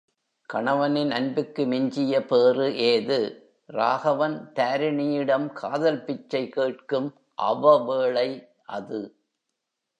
கணவனின் அன்புக்கு மிஞ்சிய பேறு ஏது? ராகவன் தாரிணியிடம் காதல்பிச்சை கேட்கும் அவ வேளை அது.